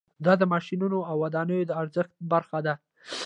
دا د ماشینونو او ودانیو د ارزښت برخه ده